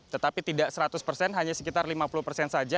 tetapi tidak seratus persen hanya sekitar lima puluh persen saja